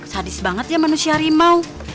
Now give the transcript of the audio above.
sadis banget ya manusia harimau